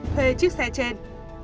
thuê chiếc xe trên